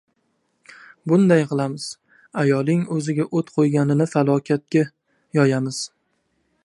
Bunday qilamiz: ayoling o‘ziga o‘t qo‘yganini falokatga yo‘yamiz.